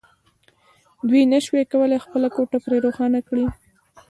دوی نشوای کولای خپله کوټه پرې روښانه کړي